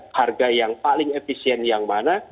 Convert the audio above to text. harga yang paling efisien yang mana